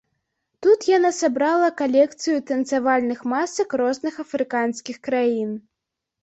Тут яна сабрала калекцыю танцавальных масак розных афрыканскіх краін.